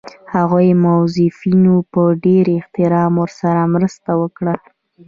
هغو موظفینو په ډېر احترام ورسره مرسته وکړه.